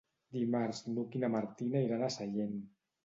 Dimarts n'Hug i na Martina iran a Sellent.